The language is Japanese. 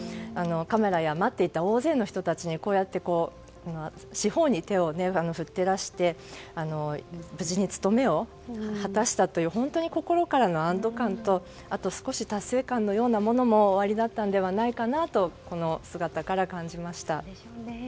カメラや待っていた大勢の人たちにこうやって四方に手を振ってらして無事に務めを果たしたという心からの安堵感と少し達成感のようなものもおありだったのではないかなとこの姿から感じました。